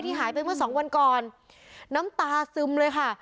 หายไปเมื่อสองวันก่อนน้ำตาซึมเลยค่ะ